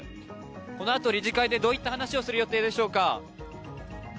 このあと、理事会でどういった話をする予定でしょうか。